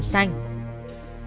inconvenience người dân